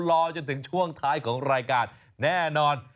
รอจนถึงช่วงท้ายของรายการแน่นอน